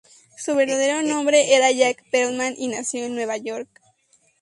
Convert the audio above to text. Su verdadero nombre era Jack Perlman, y nació en Nueva York.